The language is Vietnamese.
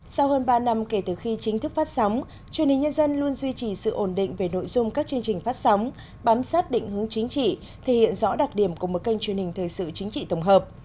sau hơn ba năm kể từ khi chính thức phát sóng truyền hình nhân dân luôn duy trì sự ổn định về nội dung các chương trình phát sóng bám sát định hướng chính trị thể hiện rõ đặc điểm của một kênh truyền hình thời sự chính trị tổng hợp